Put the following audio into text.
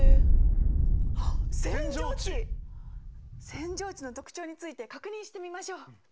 扇状地の特徴について確認してみましょう。